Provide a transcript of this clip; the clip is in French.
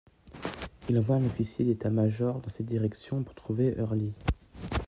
Il envoie un officier d'état-major dans cette direction pour trouver Early.